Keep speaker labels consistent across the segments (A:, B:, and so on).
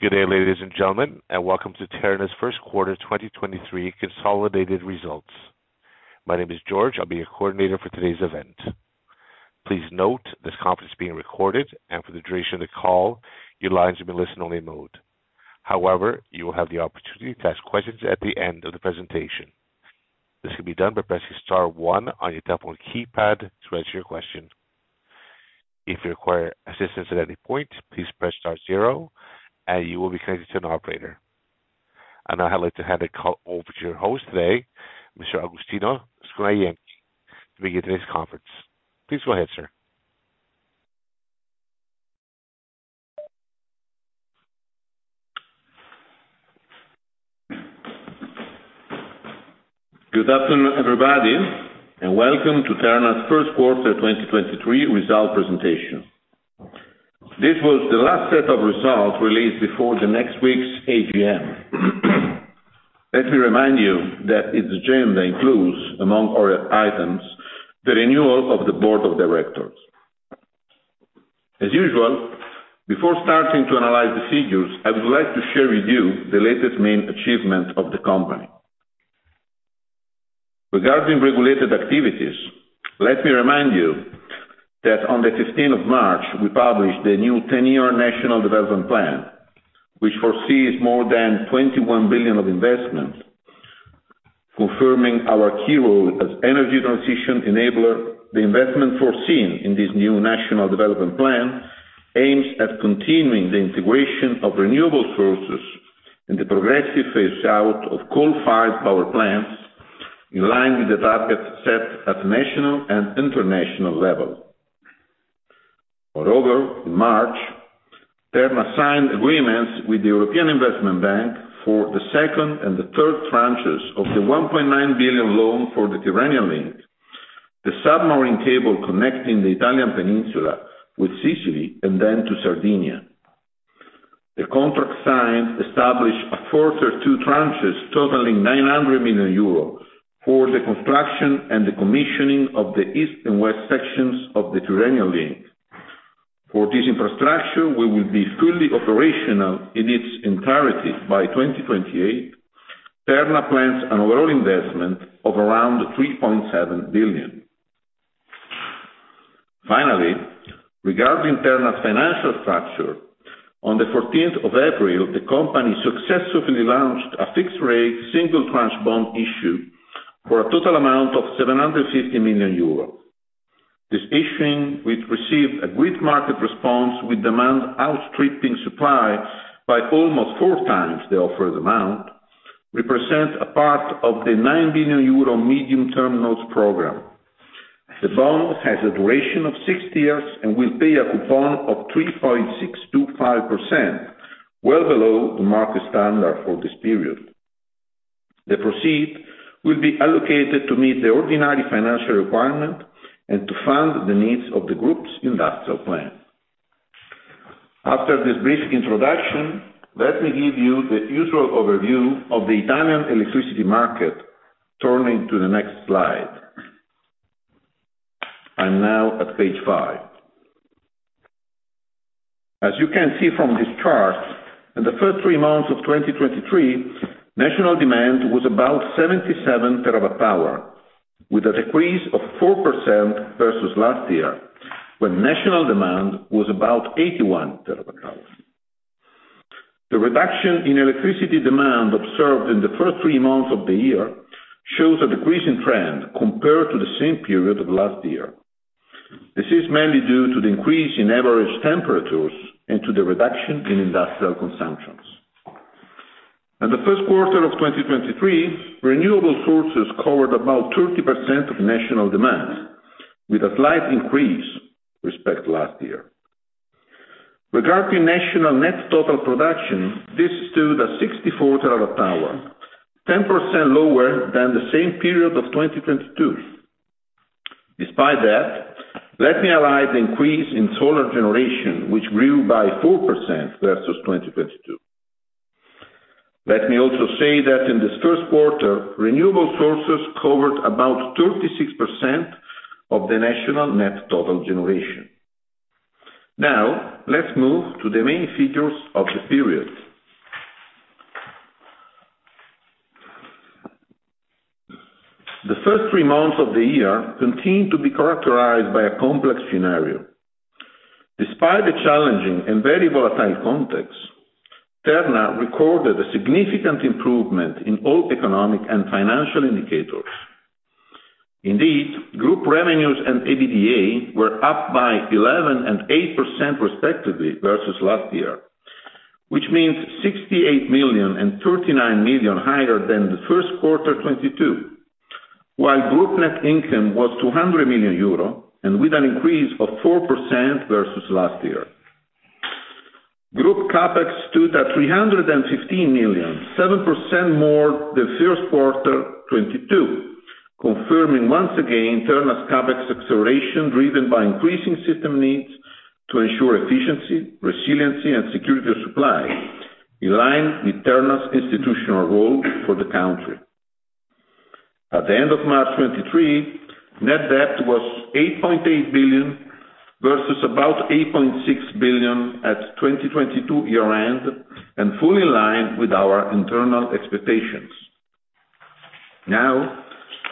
A: Good day, ladies and gentlemen, and welcome to Terna's first quarter 2023 consolidated results. My name is George. I'll be your coordinator for today's event. Please note this conference is being recorded, and for the duration of the call, your lines will be listen only mode. However, you will have the opportunity to ask questions at the end of the presentation. This can be done by pressing star one on your telephone keypad to register your question. If you require assistance at any point, please press star zero and you will be connected to an operator. I'd now like to hand the call over to your host today, Mr. Agostino Scornajenchi, to begin today's conference. Please go ahead, sir.
B: Good afternoon, everybody, and welcome to Terna's first quarter 2023 result presentation. This was the last set of results released before the next week's AGM. Let me remind you that its agenda includes, among other items, the renewal of the board of directors. As usual, before starting to analyze the figures, I would like to share with you the latest main achievements of the company. Regarding regulated activities, let me remind you that on the 15th of March, we published the new 10-year National Development Plan, which foresees more than 21 billion of investment. Confirming our key role as energy transition enabler, the investment foreseen in this new National Development Plan aims at continuing the integration of renewable sources and the progressive phase out of coal-fired power plants in line with the target set at national and international level. In March, Terna signed agreements with the European Investment Bank for the second and the third tranches of the 1.9 billion loan for the Tyrrhenian Link, the submarine cable connecting the Italian peninsula with Sicily and then to Sardinia. The contract signed established a further two tranches totaling 900 million euro for the construction and the commissioning of the east and west sections of the Tyrrhenian Link. For this infrastructure, we will be fully operational in its entirety by 2028. Terna plans an overall investment of around 3.7 billion. Regarding Terna's financial structure, on the 14th of April, the company successfully launched a fixed-rate single tranche bond issue for a total amount of 750 million euro. This issuing, which received a great market response with demand outstripping supply by almost 4x the offered amount, represent a part of the 9 billion euro Medium-Term Note Program. The bond has a duration of six years and will pay a coupon of 3.625%, well below the market standard for this period. The proceeds will be allocated to meet the ordinary financial requirement and to fund the needs of the group's industrial plan. After this brief introduction, let me give you the usual overview of the Italian electricity market, turning to the next slide. I'm now at page five. As you can see from this chart, in the first three months of 2023, national demand was about 77 terawatt-hours, with a decrease of 4% versus last year, when national demand was about 81 terawatt-hours. The reduction in electricity demand observed in the first three months of the year shows a decreasing trend compared to the same period of last year. This is mainly due to the increase in average temperatures and to the reduction in industrial consumptions. In the first quarter of 2023, renewable sources covered about 30% of national demand with a slight increase respect to last year. Regarding national net total production, this stood at 64 TWh, 10% lower than the same period of 2022. Despite that, let me highlight the increase in solar generation, which grew by 4% versus 2022. Let me also say that in this first quarter, renewable sources covered about 36% of the national net total generation. Let's move to the main features of the period. The first 3 months of the year continued to be characterized by a complex scenario. Despite the challenging and very volatile context, Terna recorded a significant improvement in all economic and financial indicators. Group revenues and EBITDA were up by 11% and 8% respectively versus last year, which means 68 million and 39 million higher than the first quarter 2022. Group net income was 200 million euro and with an increase of 4% versus last year. Group CapEx stood at 315 million, 7% more than first quarter 2022, confirming once again Terna's CapEx acceleration, driven by increasing system needs to ensure efficiency, resiliency, and security of supply, in line with Terna's institutional role for the country. At the end of March 2023, net debt was 8.8 billion versus about 8.6 billion at 2022 year-end, and fully in line with our internal expectations. Now,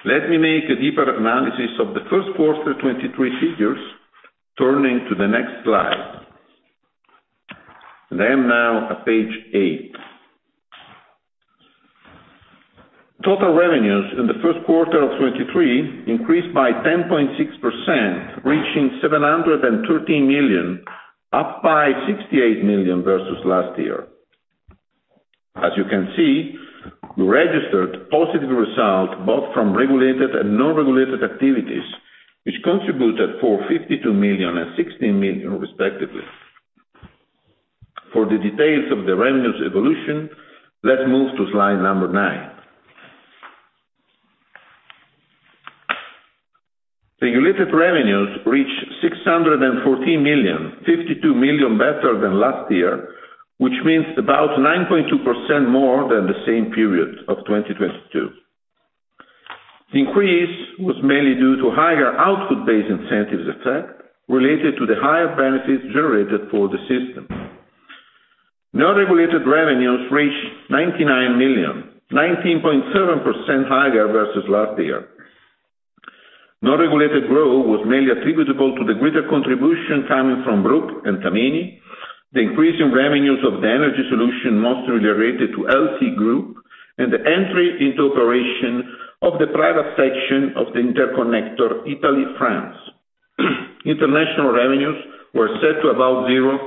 B: let me make a deeper analysis of the first quarter 2023 figures, turning to the next slide. They are now at page 8. Total revenues in the first quarter of 2023 increased by 10.6%, reaching 713 million, up by 68 million versus last year. As you can see, we registered positive result both from regulated and non-regulated activities, which contributed for 52 million and 16 million respectively. For the details of the revenues evolution, let's move to slide number 9. The regulated revenues reached 614 million, 52 million better than last year, which means about 9.2% more than the same period of 2022. The increase was mainly due to higher output-based incentives effect related to the higher benefits generated for the system. Non-regulated revenues reached 99 million, 19.7% higher versus last year. Non-regulated growth was mainly attributable to the greater contribution coming from Brugg and Tamini, the increase in revenues of the energy solution mostly related to LT Group, and the entry into operation of the private section of the interconnector Italy-France. International revenues were set to about zero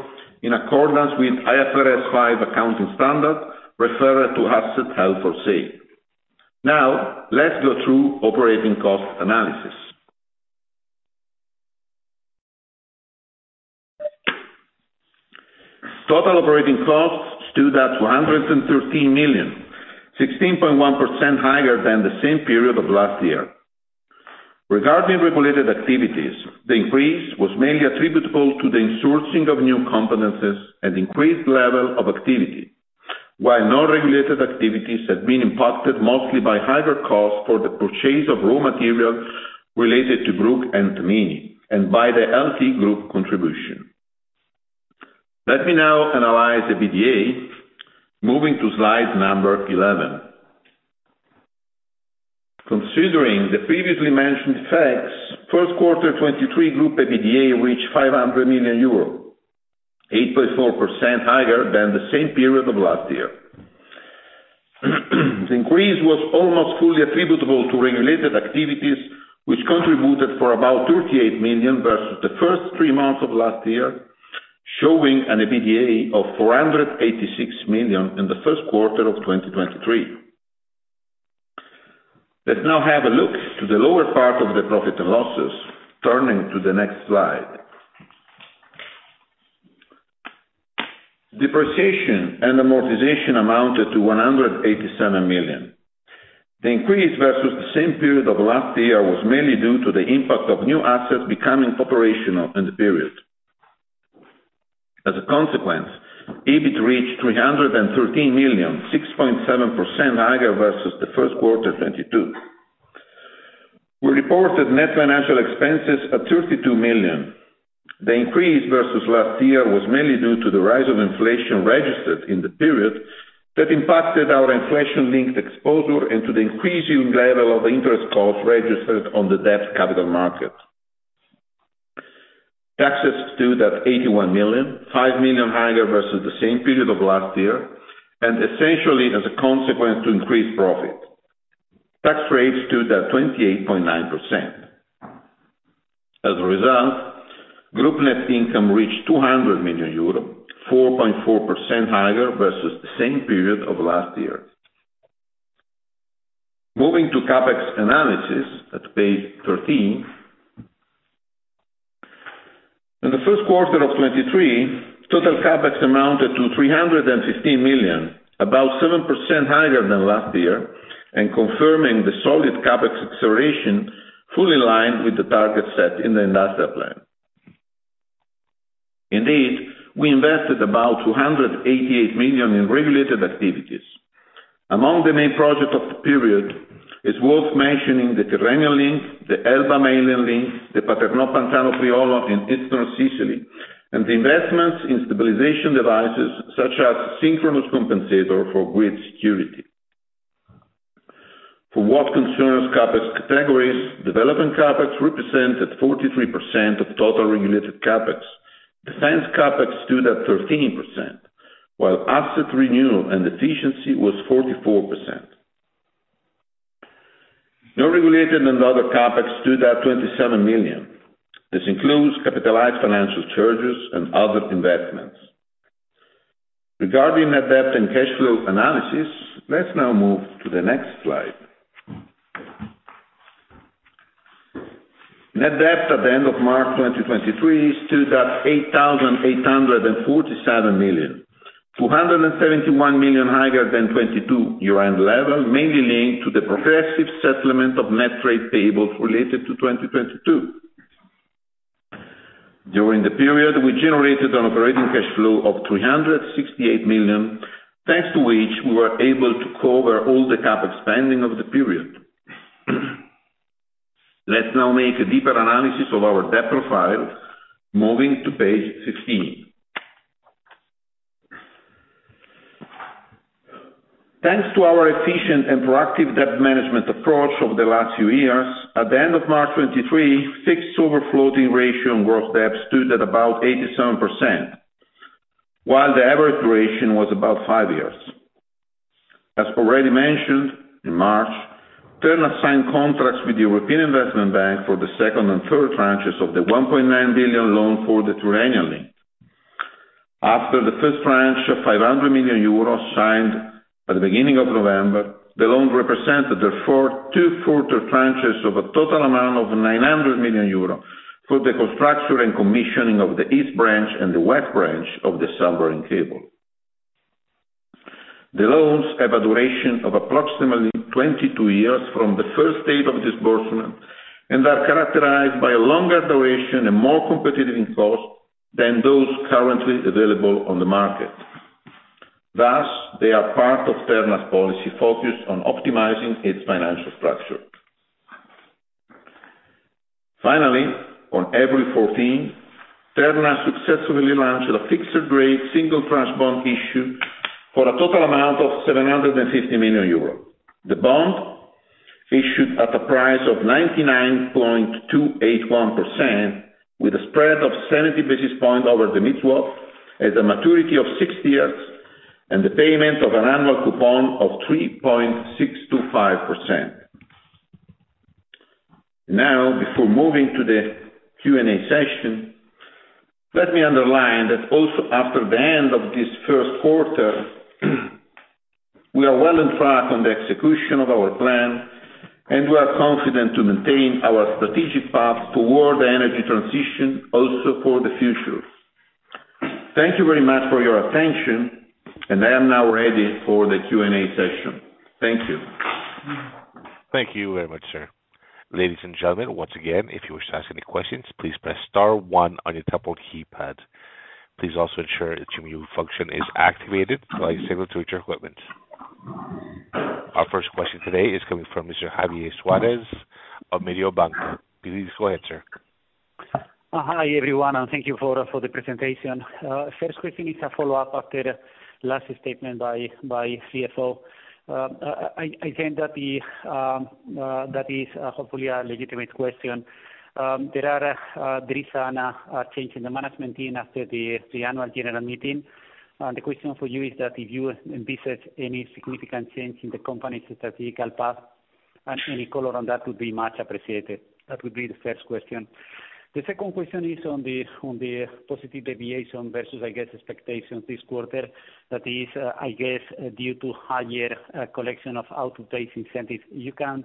B: in accordance with IFRS 5 accounting standard referred to Assets Held for Sale. Now, let's go through operating cost analysis. Total operating costs stood at 113 million, 16.1% higher than the same period of last year. Regarding regulated activities, the increase was mainly attributable to the insourcing of new competencies and increased level of activity, while non-regulated activities had been impacted mostly by hybrid costs for the purchase of raw materials related to Brugg and Tamini and by the LT Group contribution. Let me now analyze the EBITDA, moving to slide number 11. Considering the previously mentioned facts, first quarter 2023 group EBITDA reached 500 million euro, 8.4% higher than the same period of last year. The increase was almost fully attributable to regulated activities, which contributed for about 38 million versus the first three months of last year, showing an EBITDA of 486 million in the first quarter of 2023. Let's now have a look to the lower part of the profit and losses, turning to the next slide. Depreciation and amortization amounted to 187 million. The increase versus the same period of last year was mainly due to the impact of new assets becoming operational in the period. As a consequence, EBIT reached 313 million, 6.7% higher versus the first quarter 2022. We reported net financial expenses at 32 million. The increase versus last year was mainly due to the rise of inflation registered in the period that impacted our inflation-linked exposure into the increasing level of interest costs registered on the debt capital market. Taxes stood at 81 million, 5 million higher versus the same period of last year, essentially as a consequence to increased profit. Tax rates stood at 28.9%. As a result, group net income reached 200 million euro, 4.4% higher versus the same period of last year. Moving to CapEx analysis at page 13. In the first quarter of 2023, total CapEx amounted to 315 million, about 7% higher than last year, confirming the solid CapEx acceleration fully in line with the target set in the industrial plan. Indeed, we invested about 288 million in regulated activities. Among the main projects of the period, it's worth mentioning the Tyrrhenian Link, the Elba Main Link, the Paternò-Pantano-Priolo in eastern Sicily, and the investments in stabilization devices such as synchronous compensator for grid security. For what concerns CapEx categories, development CapEx represented 43% of total regulated CapEx. Defense CapEx stood at 13%, while asset renewal and efficiency was 44%. No regulated and other CapEx stood at 27 million. This includes capitalized financial charges and other investments. Regarding net debt and cash flow analysis, let's now move to the next slide. Net debt at the end of March 2023 stood at 8,847 million, 271 million higher than 2022 year-end level, mainly linked to the progressive settlement of net trade payables related to 2022. During the period, we generated an operating cash flow of 368 million, thanks to which we were able to cover all the CapEx spending of the period. Let's now make a deeper analysis of our debt profile, moving to page 15. Thanks to our efficient and proactive debt management approach over the last few years, at the end of March 2023, fixed over floating ratio and gross debt stood at about 87%, while the average duration was about 5 years. As already mentioned, in March, Terna signed contracts with the European Investment Bank for the second and third tranches of the 1.9 billion loan for the Tyrrhenian Link. After the first tranche of 500 million euros signed at the beginning of November, the loan represented two further tranches of a total amount of 900 million euro for the construction and commissioning of the east branch and the west branch of the submarine cable. The loans have a duration of approximately 22 years from the first date of disbursement, are characterized by a longer duration and more competitive in cost than those currently available on the market. They are part of Terna's policy focused on optimizing its financial structure. On April 14th, Terna successfully launched a fixed-rate single tranche bond issue for a total amount of 750 million euros. The bond issued at a price of 99.281% with a spread of 70 basis points over the mid-swap, has a maturity of 6 years, the payment of an annual coupon of 3.625%. Before moving to the Q&A session, let me underline that also after the end of this first quarter, we are well on track on the execution of our plan, we are confident to maintain our strategic path toward the energy transition also for the future. Thank you very much for your attention, I am now ready for the Q&A session. Thank you.
A: Thank you very much, sir. Ladies and gentlemen, once again, if you wish to ask any questions, please press star one on your telephone keypad. Please also ensure that your mute function is activated by similar to your equipment. Our first question today is coming from Mr. Javier Suarez of Mediobanca. Please go ahead, sir.
C: Hi, everyone, thank you for the presentation. First question is a follow-up after last statement by CFO. I think that is hopefully a legitimate question. There is a change in the management team after the Annual General Meeting. The question for you is that if you envisage any significant change in the company's statistical path, any color on that would be much appreciated. That would be the first question. The second question is on the positive deviation versus, I guess, expectations this quarter. That is, I guess, due to higher collection of output-based incentives. You can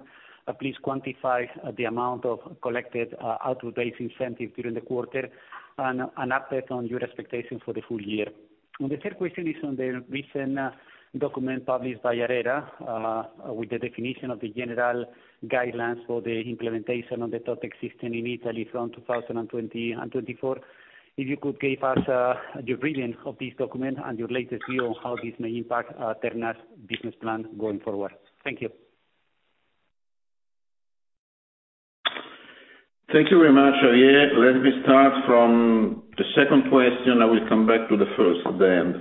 C: please quantify the amount of collected output-based incentive during the quarter and update on your expectations for the full year. The third question is on the recent document published by ARERA, with the definition of the general guidelines for the implementation of the TOTEX system in Italy from 2020 to 2024. If you could give us your reading of this document and your latest view on how this may impact Terna's business plan going forward. Thank you.
B: Thank you very much, Javier. Let me start from the second question. I will come back to the first at the end.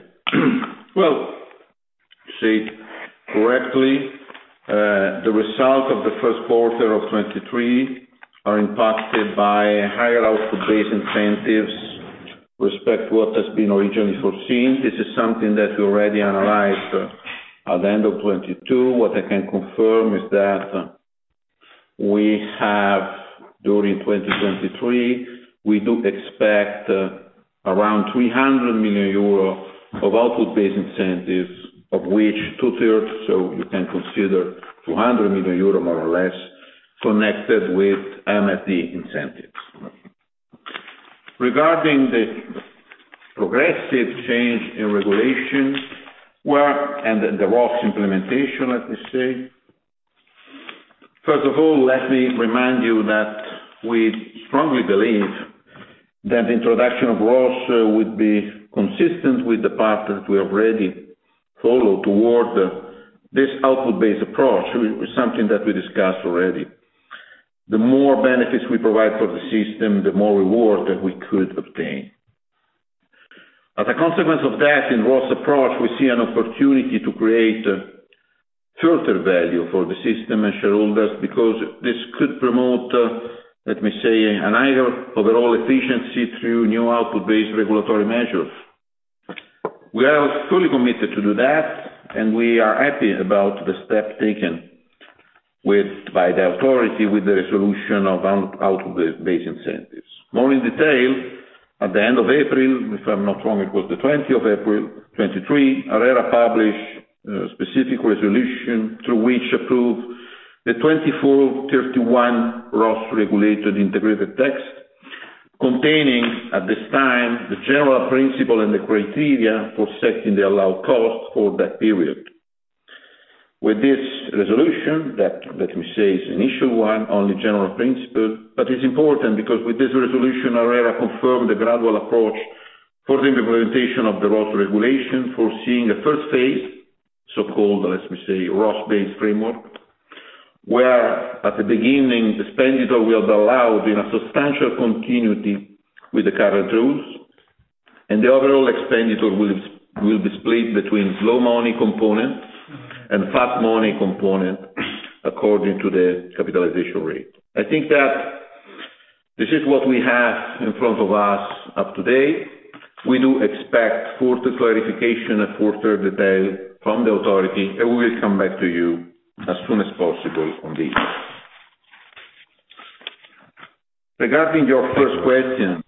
B: Well, to state correctly, the result of the first quarter of 2023 are impacted by higher output-based incentives with respect to what has been originally foreseen. This is something that we already analyzed at the end of 2022. What I can confirm is that during 2023, we do expect around 300 millions euro of output-based incentives, of which 2/3, so you can consider 200 million euro, more or less, connected with MSD incentives. Regarding the progressive change in regulation, well, the ROSS implementation, let me say, first of all, let me remind you that we strongly believe that introduction of ROSS would be consistent with the path that we already follow toward this output-based approach. It was something that we discussed already. The more benefits we provide for the system, the more reward that we could obtain. As a consequence of that, in ROSS approach, we see an opportunity to create further value for the system and shareholders because this could promote, let me say, an higher overall efficiency through new output-based regulatory measures. We are fully committed to do that, and we are happy about the step taken by the authority with the resolution of output-based incentives. More in detail, at the end of April, if I'm not wrong, it was the 20th of April 2023, ARERA published a specific resolution through which approved the 2024-2031 ROSS regulated integrated text, containing at this time the general principle and the criteria for setting the allowed cost for that period. With this resolution that, let me say, is an initial one on the general principle, but it's important because with this resolution, ARERA confirmed the gradual approach for the implementation of the ROSS regulation, foreseeing a first phase, so-called, let me say, ROSS-based framework, where at the beginning, the expenditure will allow, you know, substantial continuity with the current rules, and the overall expenditure will be split between slow money components and fast money components according to the capitalization rate. I think that this is what we have in front of us up today. We do expect further clarification and further detail from the authority, and we will come back to you as soon as possible on this. Regarding your first question...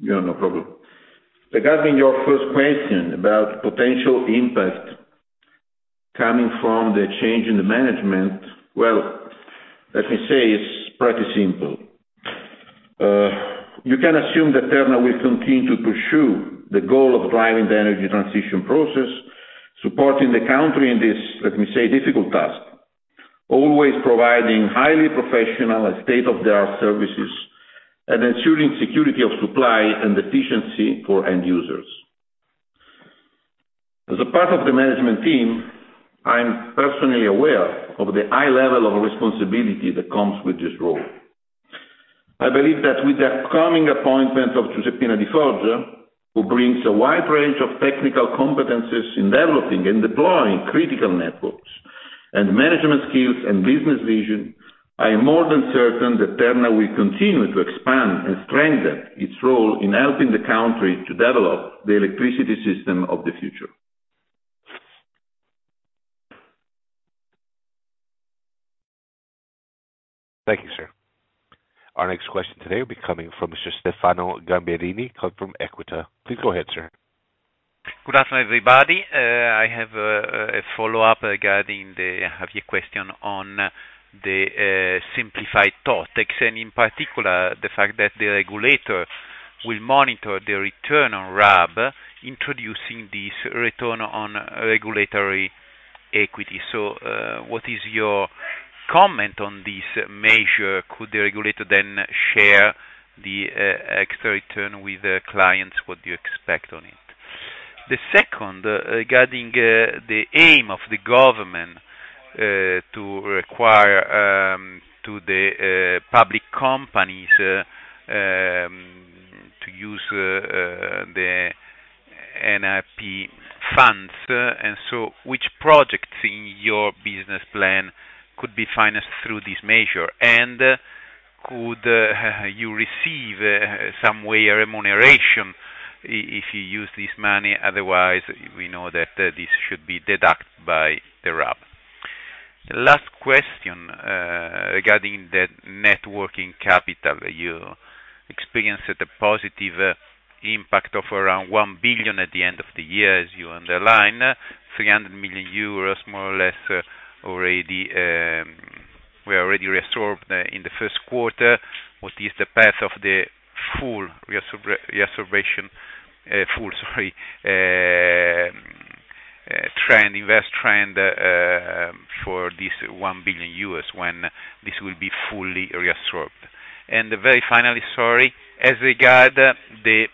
B: Yeah, no problem. Regarding your first question about potential impact coming from the change in the management, well, let me say it's pretty simple. You can assume that Terna will continue to pursue the goal of driving the energy transition process, supporting the country in this, let me say, difficult task, always providing highly professional and state-of-the-art services and ensuring security of supply and efficiency for end users. As a part of the management team, I'm personally aware of the high level of responsibility that comes with this role. I believe that with the coming appointment of Giuseppina Di Foggia, who brings a wide range of technical competencies in developing and deploying critical networks and management skills and business vision, I am more than certain that Terna will continue to expand and strengthen its role in helping the country to develop the electricity system of the future.
A: Thank you, sir. Our next question today will be coming from Mr. Stefano Gamberini, calling from Equita. Please go ahead, sir.
D: Good afternoon, everybody. I have a follow-up regarding the Javier question on the simplified TOTEX, and in particular, the fact that the regulator will monitor the return on RAB, introducing this return on regulatory equity. What is your comment on this measure? Could the regulator then share the extra return with the clients what you expect on it? The second, regarding the aim of the government to require to the public companies to use the PNRR funds. Which projects in your business plan could be financed through this measure? Could you receive some way a remuneration if you use this money, otherwise we know that this should be deducted by the RAB. Last question, regarding the networking capital. You experienced the positive impact of around 1 billion at the end of the year, as you underline. 300 million euros more or less already were already restored in the first quarter. What is the path of the full reservation, full, sorry, trend, invest trend, for this 1 billion when this will be fully reabsorbed? Very finally, sorry, as regard the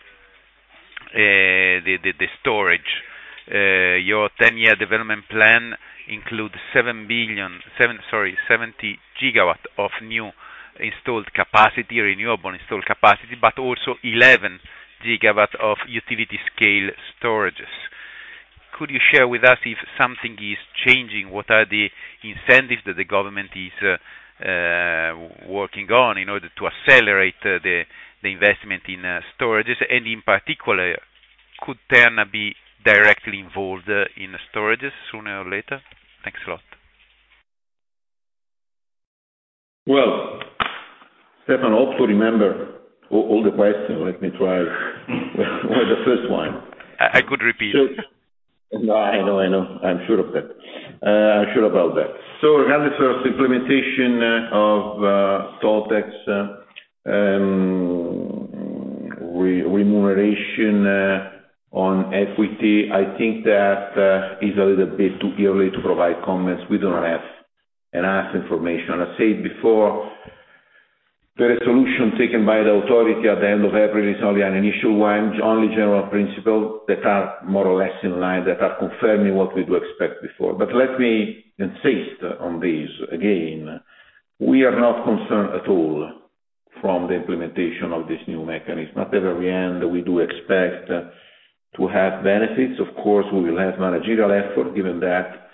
D: storage, your National Development Plan includes 70 GW of new installed capacity, renewable installed capacity, but also 11 GW of utility-scale storages. Could you share with us if something is changing, what are the incentives that the government is working on in order to accelerate the investment in storages, and in particular, could Terna be directly involved in storages sooner or later? Thanks a lot.
B: Well, Stefano, hope to remember all the questions. Let me try with the first one.
D: I could repeat.
B: No, I know, I know. I'm sure of that. I'm sure about that. Regarding the sort of implementation of SOLEX remuneration on equity, I think that is a little bit too early to provide comments. We don't have enough information. I said before, the resolution taken by the authority at the end of April is only an initial one, only general principles that are more or less in line, that are confirming what we do expect before. Let me insist on this again. We are not concerned at all from the implementation of this new mechanism. At the very end, we do expect to have benefits. Of course, we will have managerial effort, given that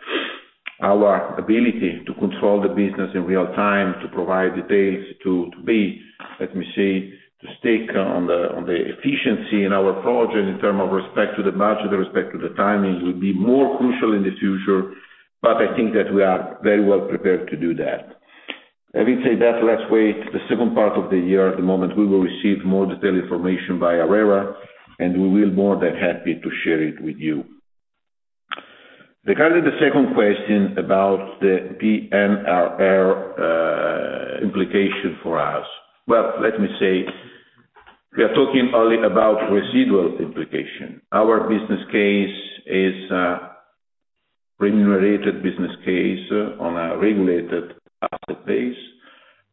B: our ability to control the business in real time, to provide details, to be, let me say, to stake on the, on the efficiency in our project in term of respect to the margin, respect to the timing, will be more crucial in the future. I think that we are very well prepared to do that. Having said that, let's wait the second part of the year. At the moment, we will receive more detailed information by ARERA. We will more than happy to share it with you. Regarding the second question about the PNRR implication for us. We are talking only about residual implication. Our business case is remunerated business case on a regulated asset base.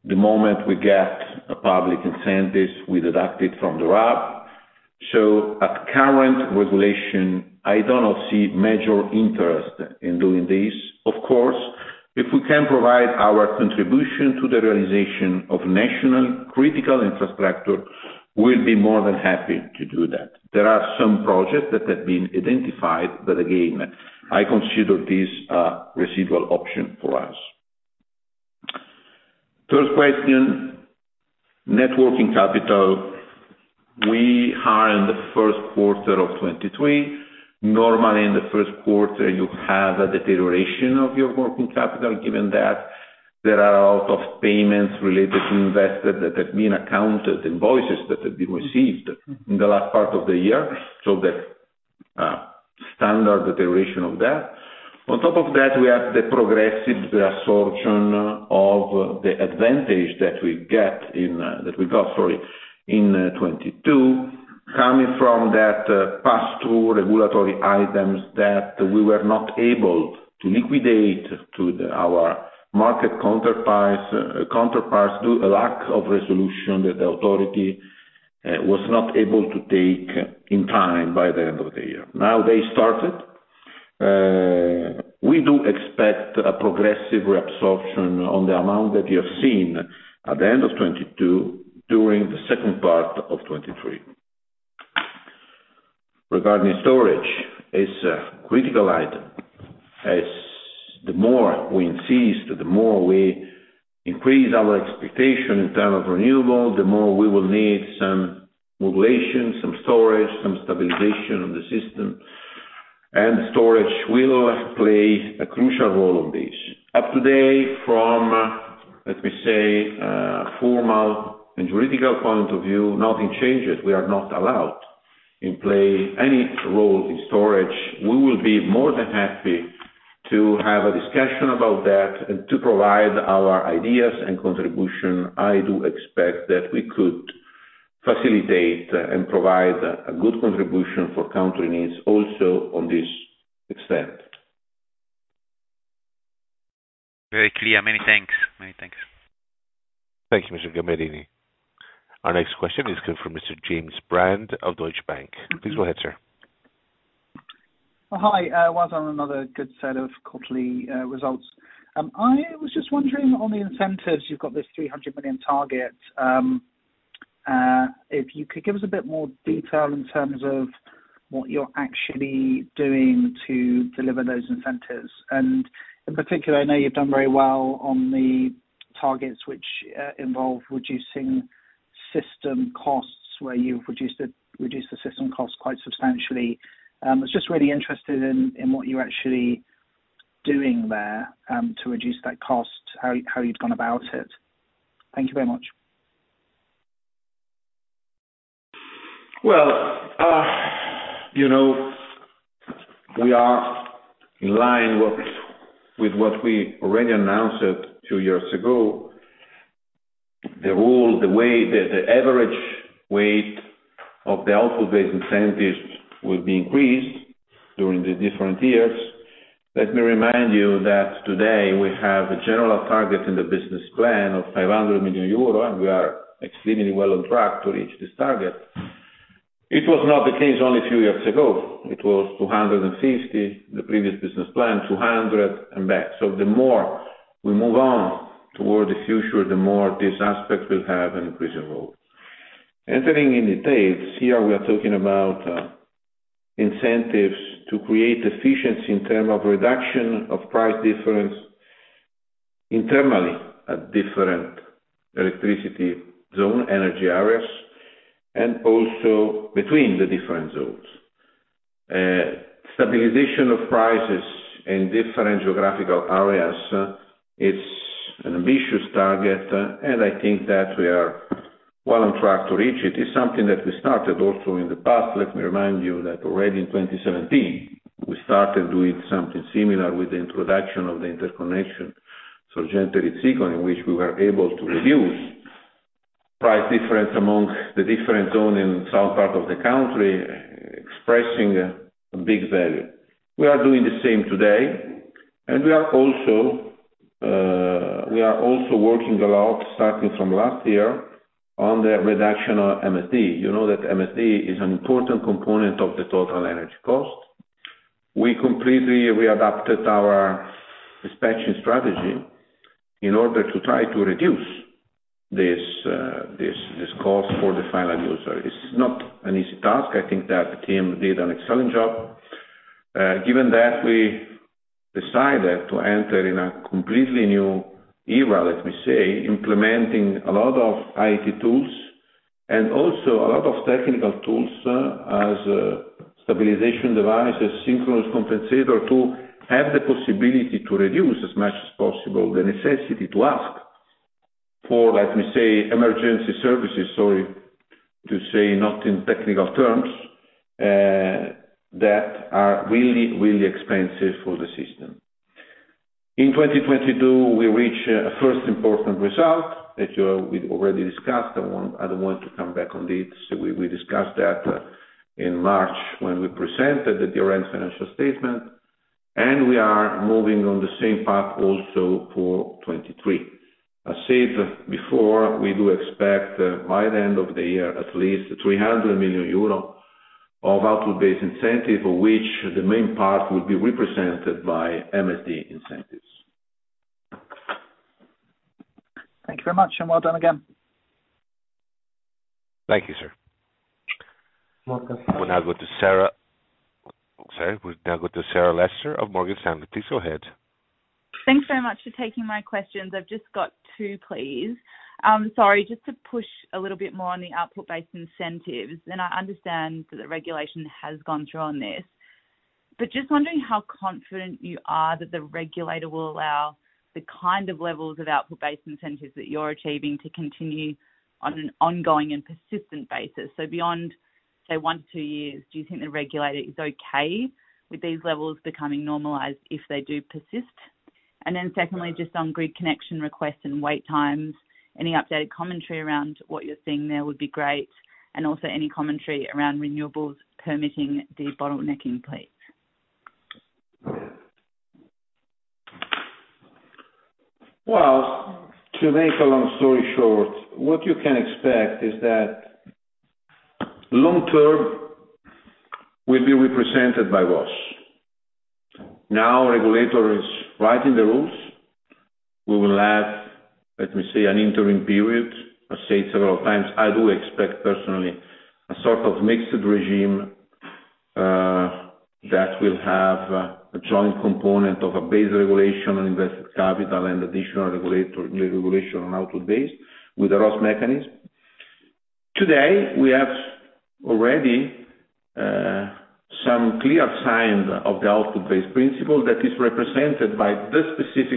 B: The moment we get a public incentives, we deduct it from the RAB. At current regulation, I do not see major interest in doing this. Of course, if we can provide our contribution to the realization of national critical infrastructure, we will be more than happy to do that. There are some projects that have been identified, but again, I consider this a residual option for us. Third question, net working capital. We are in the first quarter of 2023. Normally in the first quarter, you have a deterioration of your working capital, given that there are a lot of payments related to investors that have been accounted, invoices that have been received in the last part of the year. That, standard deterioration of that. On top of that, we have the progressive reabsorption of the advantage that we get in... That we got, sorry, in 2022, coming from that pass-through regulatory items that we were not able to liquidate to our market counterparties, due a lack of resolution that the authority, was not able to take in time by the end of the year. Now they started. We do expect a progressive reabsorption on the amount that you have seen at the end of 2022 during the second part of 2023. Regarding storage, it's a critical item, as the more we increase our expectation in terms of renewable, the more we will need some modulation, some storage, some stabilization of the system, and storage will play a crucial role on this. Up today from, let me say, formal and juridical point of view, nothing changes. We are not allowed to play any role in storage. We will be more than happy to have a discussion about that and to provide our ideas and contribution. I do expect that we could facilitate and provide a good contribution for country needs also on this extent.
D: Very clear. Many thanks. Many thanks.
A: Thank you, Mr. Gamberini. Our next question is coming from Mr. James Brand of Deutsche Bank. Please go ahead, sir.
E: Hi. once on another good set of quarterly results. I was just wondering on the incentives, you've got this 300 million target. if you could give us a bit more detail in terms of what you're actually doing to deliver those incentives. In particular, I know you've done very well on the targets which involve reducing system costs, where you've reduced the system cost quite substantially. I was just really interested in what you're actually doing there to reduce that cost, how you'd gone about it. Thank you very much.
B: You know, we are in line with what we already announced it 2 years ago. The rule, the way the average weight of the output-based incentives will be increased during the different years. Let me remind you that today we have a general target in the business plan of 500 million euro, and we are extremely well on track to reach this target. It was not the case only a few years ago. It was 250, the previous business plan, 200 and back. The more we move on toward the future, the more this aspect will have an increasing role. Entering in details, here we are talking about incentives to create efficiency in term of reduction of price difference internally at different electricity zone, energy areas, and also between the different zones. Stabilization of prices in different geographical areas. It's an ambitious target. I think that we are well on track to reach it. It's something that we started also in the past. Let me remind you that already in 2017, we started doing something similar with the introduction of the interconnection Sorgente-Rizziconi, which we were able to reduce price difference amongst the different zones in south part of the country, expressing a big value. We are doing the same today. We are also working a lot, starting from last year, on the reduction of MSD. You know that MSD is an important component of the total energy cost. We completely readapted our dispatching strategy in order to try to reduce this cost for the final user. It's not an easy task. I think that the team did an excellent job. Given that we decided to enter in a completely new era, let me say, implementing a lot of IT tools and also a lot of technical tools, as stabilization devices, synchronous compensator, to have the possibility to reduce as much as possible the necessity to ask for, let me say, emergency services, sorry to say, not in technical terms, that are really, really expensive for the system. In 2022, we reached a first important result that we already discussed. I don't want to come back on this. We discussed that in March when we presented the year-end financial statement. We are moving on the same path also for 2023. As said before, we do expect by the end of the year, at least 300 million euro of output-based incentive, of which the main part will be represented by MSD incentives.
E: Thank you very much, well done again.
A: Thank you, sir.
B: Welcome.
A: We'll now go to Sarah. Sorry. We now go to Sarah Lester of Morgan Stanley. Please go ahead.
F: Thanks so much for taking my questions. I've just got 2, please. Sorry, just to push a little bit more on the output-based incentives. I understand that the regulation has gone through on this. Just wondering how confident you are that the regulator will allow the kind of levels of output-based incentives that you're achieving to continue on an ongoing and persistent basis. Beyond, say, 1-2 years, do you think the regulator is okay with these levels becoming normalized if they do persist? Secondly, just on grid connection requests and wait times, any updated commentary around what you're seeing there would be great, and also any commentary around renewables permitting the bottlenecking please.
B: Well, to make a long story short, what you can expect is that long term will be represented by ROSS. Regulator is writing the rules. We will have, let me say, an interim period. I said several times, I do expect personally a sort of mixed regime, that will have a joint component of a base regulation on invested capital and additional regulation on output base with a ROSS mechanism. Today, we have already some clear signs of the output-based principle that is represented by this specific